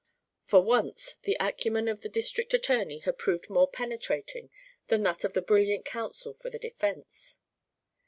For once the acumen of the district attorney had proved more penetrating than that of the brilliant counsel for the defence.